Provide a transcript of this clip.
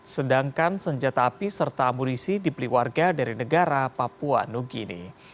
sedangkan senjata api serta amunisi dibeli warga dari negara papua new guinea